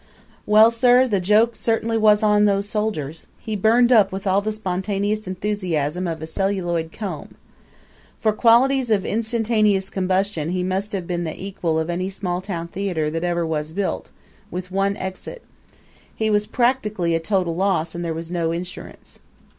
Well, sir, the joke certainly was on those soldiers. He burned up with all the spontaneous enthusiasm of a celluloid comb. For qualities of instantaneous combustion he must have been the equal of any small town theater that ever was built with one exit. He was practically a total loss and there was no insurance.